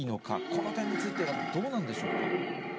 この点についてはどうなんでしょうか。